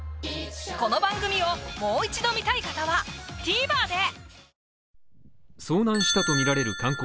この番組をもう一度観たい方はＴＶｅｒで！